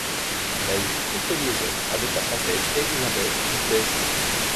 Il a eu une courte liaison avec la princesse Elizabeth Bibesco.